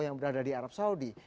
yang berada di arab saudi